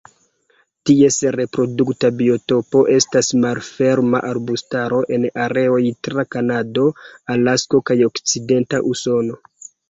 Ties reprodukta biotopo estas malferma arbustaro en areoj tra Kanado, Alasko kaj okcidenta Usono.